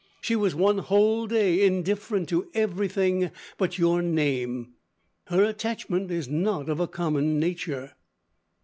She was one whole day indifferent to everything but your name. Her attachment is not of a common nature."